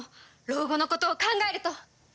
老後のことを考えると。